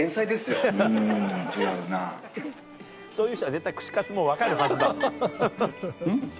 そういう人は絶対串カツも分かるはずだ。